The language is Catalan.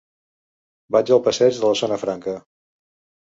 Vaig al passeig de la Zona Franca.